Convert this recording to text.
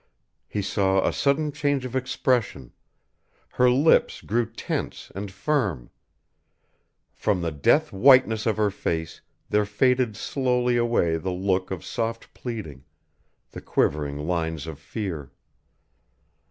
He saw a sudden change of expression; her lips grew tense and firm; from the death whiteness of her face there faded slowly away the look of soft pleading, the quivering lines of fear.